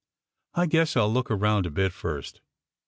"I guess I'll look around a bit first.